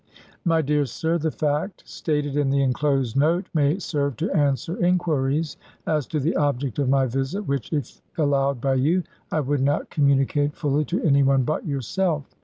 My dear Sir : The fact stated in the inclosed note may serve to answer inquiries as to the object of my visit, which, if allowed by you, I would not communicate fully to any one but yourself.